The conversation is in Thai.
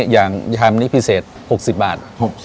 อย่างชามนี้พิเศษ๖๐บาท